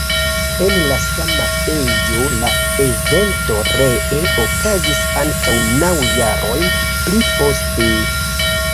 En la sama ejo la evento ree okazis ankaŭ naŭ jarojn pli poste.